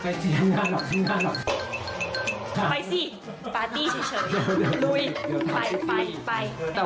ปรากฏว่าพี่โรดเมย์ที่มาผิดเนี่ยจะจัดรการรึเปล่า